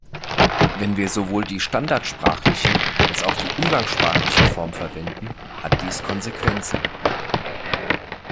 Wenn wir sowohl die standardsprachliche als auch die umgangssprachliche Form verwenden, hat dies Konsequenzen.